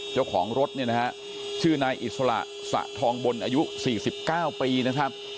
เจ้าของรถเนี่ยนะฮะชื่อนายอิสระสะทองบนอายุ๔๙ปีนะครับ